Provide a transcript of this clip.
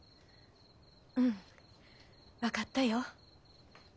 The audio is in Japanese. うん分かったよ。